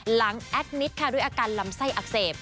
แอดมิตรค่ะด้วยอาการลำไส้อักเสบ